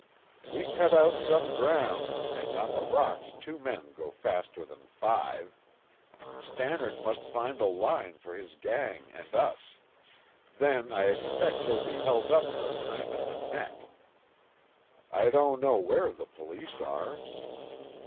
"We cut out some ground and on the rocks two men go faster than five. Stannard must find a line for his gang and us. Then I expect he'll be held up for a time at the neck. I don't know where the police are."